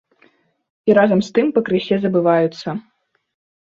І разам з тым пакрысе забываюцца.